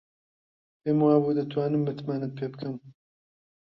پێم وابوو دەتوانم متمانەت پێ بکەم.